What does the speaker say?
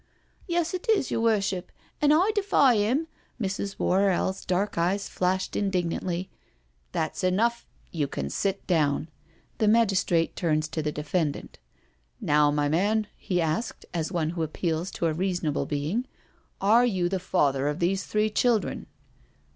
" Yes, it is, yer Worship, an' I defy 'im " Mrs. Worrell's dark eyes flashed indignantly. " That's enough — you can sit down." The magis trate turns to the defendant. " Now, my man," he asked, as one who appeals to a reasonable being, " are you the father of these three children?'